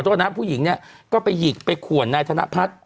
โทษนะผู้หญิงเนี่ยก็ไปหิกไปขวนนายธนพัฒน์